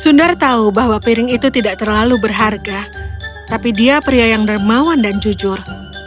sundar tahu bahwa piring itu tidak terlalu berharga tapi dia pria yang dermawan dan jujur